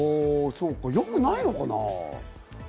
良くないのかな？